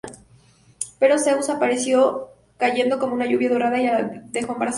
Pero Zeus apareció cayendo como una lluvia dorada y la dejó embarazada.